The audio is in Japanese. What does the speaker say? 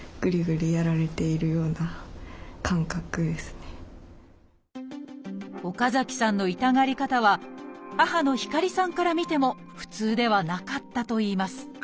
例えば岡崎さんの痛がり方は母の光さんから見ても普通ではなかったといいます